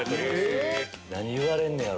何言われんねやろ？